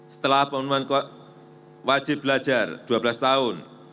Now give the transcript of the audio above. setelah pemenuhan wajib belajar dua belas tahun